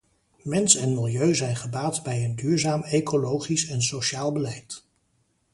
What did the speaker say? Mens en milieu zijn gebaat bij een duurzaam ecologisch en sociaal beleid.